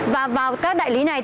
và vào các đại lý này